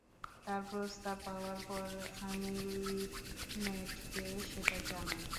তার প্রস্তাব পাওয়ার পর আমি লিনেটকে সেটা জানাই।